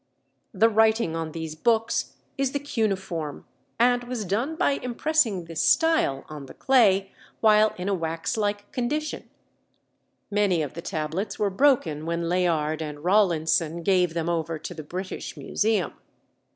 The writing on these "books" is the cuneiform, and was done by impressing the "style" on the clay while in a waxlike condition. Many of the tablets were broken when Layard and Rawlinson gave them over to the British Museum.